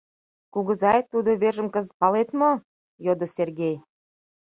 — Кугызай, тудо вержым кызыт палет мо? — йодо Сергей.